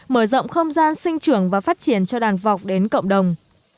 mở rộng không gian sinh trưởng và phát triển cho đàn vọc đến cộng đồng